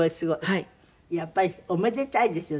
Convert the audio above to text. やっぱりおめでたいですよ